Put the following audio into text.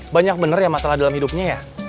banyak bener ya masalah dalam hidupnya ya